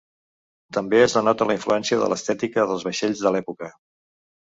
També es denota la influència de l'estètica dels vaixells de l'època.